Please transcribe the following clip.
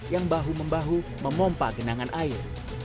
yang bahu membahu memompa genangan air